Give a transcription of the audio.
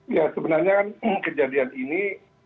sebenarnya kejadian ini